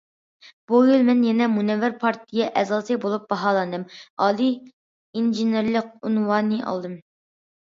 بۇ يىل مەن يەنە مۇنەۋۋەر پارتىيە ئەزاسى بولۇپ باھالاندىم، ئالىي ئىنژېنېرلىق ئۇنۋانى ئالدىم.